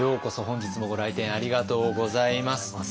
本日もご来店ありがとうございます。